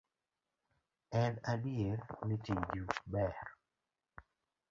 En adier ni tiju ber.